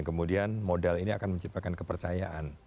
kemudian modal ini akan menciptakan kepercayaan